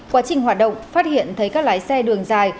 quá trình hoạt động phát hiện thấy các lái xe đường dài